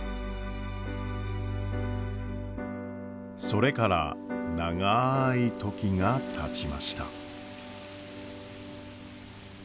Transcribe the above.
それから長い時がたちました。